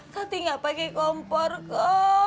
kati gak pake kompor kok